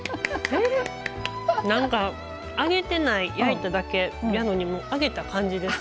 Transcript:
なんか揚げてない焼いただけなのに揚げた感じです。